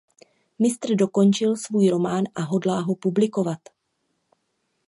Mistr dokončil svůj román a hodlá ho publikovat.